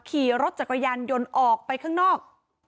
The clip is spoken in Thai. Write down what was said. ขี่รถจักรยานยนต์ออกไปข้างนอก